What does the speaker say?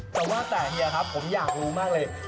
แต่ว่าแต่เฮียครับผมอยากรู้มากเลย